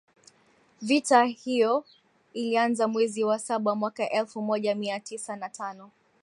Vita hiyo ilianza mwezi wa saba mwaka elfu moja mia tisa na tano